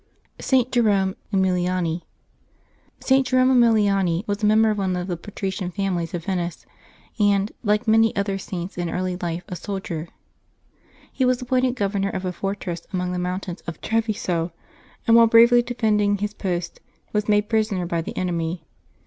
ST. JEROME EMILIANI. [T. Jerome Emiliani was a member of one of the patri cian families of Venice, and, like many other Saints, in early life a soldier. He was appointed governor of a fortress among the mountains of Treviso, and whilst bravely defending his post, was made prisoner by the en emy.